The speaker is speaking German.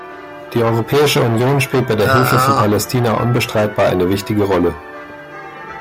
Die Europäische Union spielt bei der Hilfe für Palästina unbestreitbar eine wichtige Rolle.